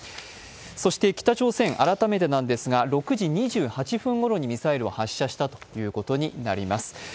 そして北朝鮮、改めてなんですが６時２８分ごろにミサイルを発射したということになります。